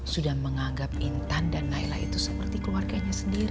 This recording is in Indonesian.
sudah menganggap intan dan laila itu seperti keluarganya sendiri